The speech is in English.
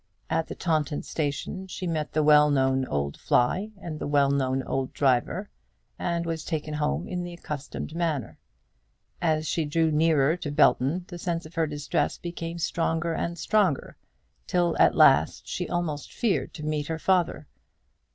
At the Taunton station she met the well known old fly and the well known old driver, and was taken home in the accustomed manner. As she drew nearer to Belton the sense of her distress became stronger and stronger, till at last she almost feared to meet her father.